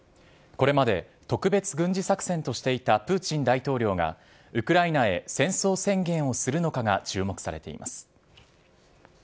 これまで特別軍事作戦としていたプーチン大統領が、ウクライナへ戦争宣言をするのかが注目されています。